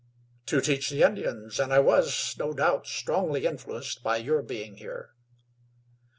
"To teach the Indians, and I was, no doubt, strongly influenced by your being here."